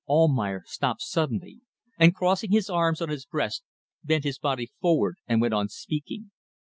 Almayer stopped suddenly, and crossing his arms on his breast, bent his body forward and went on speaking.